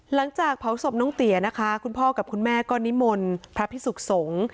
หลังจากเผาศพน้องเตี๋ยนะคะคุณพ่อกับคุณแม่ก็นิมนต์พระพิสุขสงฆ์